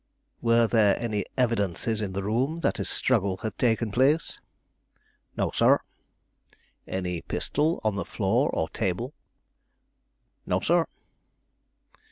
"Were there any evidences in the room that a struggle had taken place?" "No, sir." "Any pistol on the floor or table?" "No, sir?"